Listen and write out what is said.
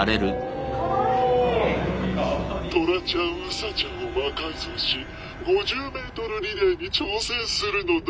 「トラちゃんウサちゃんを魔改造し５０ｍリレーに挑戦するのだ」。